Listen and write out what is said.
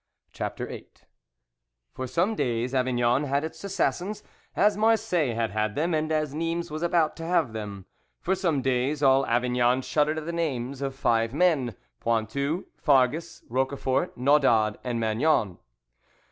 CHAPTER VIII For some days Avignon had its assassins, as Marseilles had had them, and as Nimes was about to have them; for some days all Avignon shuddered at the names of five men—Pointu, Farges, Roquefort, Naudaud, and Magnan.